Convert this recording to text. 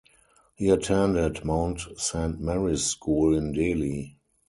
He attended Mount Saint Mary's School in Delhi.